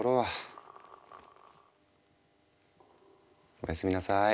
おやすみなさい。